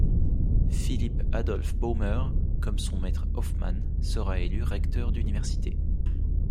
Philipp Adolph Böhmer, comme son maître Hoffmann, sera élu recteur d'université.